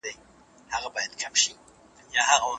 ناروغۍ غواګانې کمزورې کړې دي.